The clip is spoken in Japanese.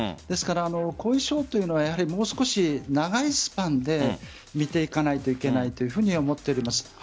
ですから、後遺症というのはもう少し長いスパンで見ていかないといけないというふうに思っています。